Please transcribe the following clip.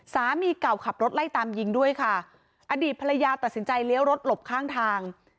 สามีเก่าขับรถไล่ตามยิงด้วยค่ะอดีตภรรยาตัดสินใจเลี้ยวรถหลบข้างทาง